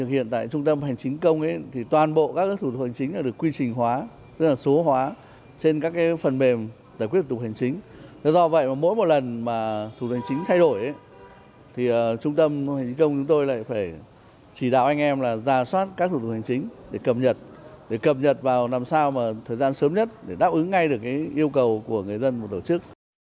để cầm nhật vào năm sau mà thời gian sớm nhất để đáp ứng ngay được yêu cầu của người dân và tổ chức